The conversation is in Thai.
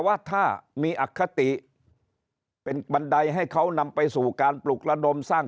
ว่าถ้ามีอคติเป็นบันไดให้เขานำไปสู่การปลุกระดมสร้าง